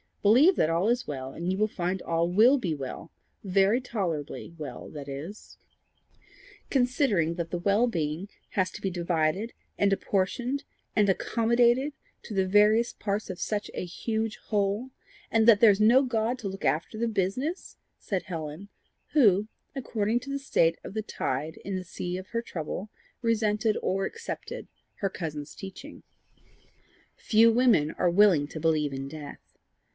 Believe that all is well, and you will find all will be well very tolerably well, that is, considering." "Considering that the well being has to be divided and apportioned and accommodated to the various parts of such a huge whole, and that there is no God to look after the business!" said Helen, who, according to the state of the tide in the sea of her trouble, resented or accepted her cousin's teaching. Few women are willing to believe in death.